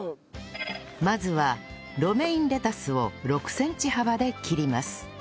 まずはロメインレタスを６センチ幅で切ります